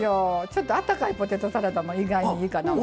ちょっとあったかいポテトサラダも意外にいいかなと。